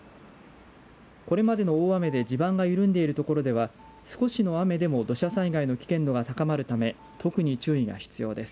これまでの大雨で地盤が緩んでいる所では少しの雨でも土砂災害の危険度が高まるため特に注意が必要です。